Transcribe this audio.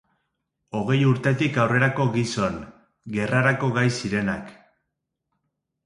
Hogei urtetik aurrerako gizon, gerrarako gai zirenak.